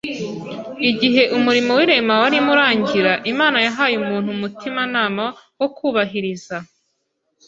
igihe umurimo w’irema warimo urangira, Imana yahaye umuntu umutimanama wo kubahiriza